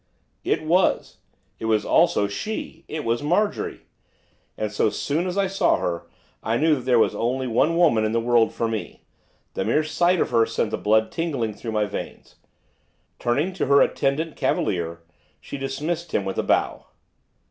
It was, it was also she. It was Marjorie! And so soon as I saw her I knew that there was only one woman in the world for me, the mere sight of her sent the blood tingling through my veins. Turning to her attendant cavalier, she dismissed him with a bow.